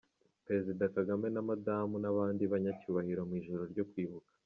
Perezida Kagame na Madamu n’abandi banyacyubahiro mu ijoro ryo kwibuka